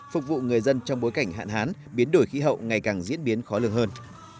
phục vụ người dân trong bối cảnh hạn hán biến đổi khí hậu ngày càng diễn biến khó lường hơn